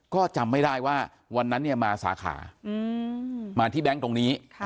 ก็จำไม่ได้ว่าวันนั้นเนี่ยมาสาขามาที่แบงค์ตรงนี้